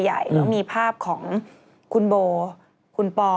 แล้วก็มีภาพของคุณโบคุณปอ